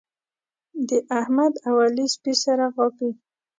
د احمد او علي سپي سره غاپي.